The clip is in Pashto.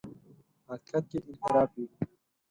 حقیقت کې انحراف وي.